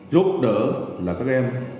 giúp đỡ là các em